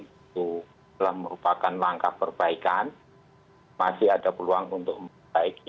itu telah merupakan langkah perbaikan masih ada peluang untuk memperbaiki